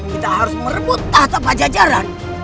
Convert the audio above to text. kita harus merebut tahta pajajaran